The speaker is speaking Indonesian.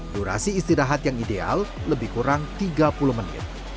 durasi istirahat yang ideal lebih kurang tiga puluh menit